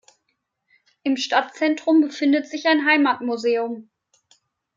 Im Stadtzentrum befindet sich ein Heimatmuseum.